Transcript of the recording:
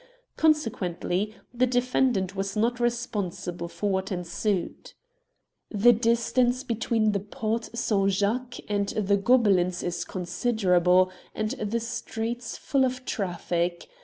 Consequently the defendant was not responsible for what ensued. " The distance between the Porte S. Jacques and the Gobelins is considerable, and the streets full of traffic.